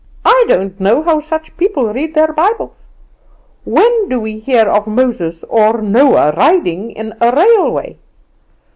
I don't know how such people read their Bibles. When do we hear of Moses or Noah riding in a railway?